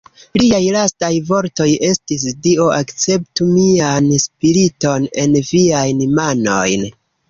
Liaj lastaj vortoj estis: "Dio, akceptu mian spiriton en Viajn manojn!".